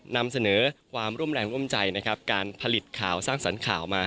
นำเสนอความร่วมแรงร่วมใจนะครับการผลิตข่าวสร้างสรรค์ข่าวมา